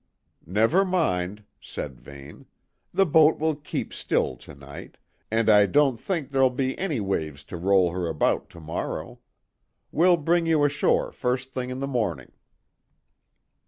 "Never mind," said Vane. "The boat will keep still to night, and I don't think there'll be any waves to roll her about to morrow. We'll bring you ashore first thing in the morning."